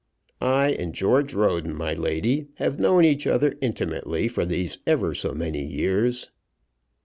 "I and George Roden, my lady, have known each other intimately for these ever so many years."